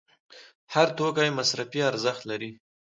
هر توکی مصرفي ارزښت لري.